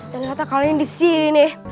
ternyata kalian di sini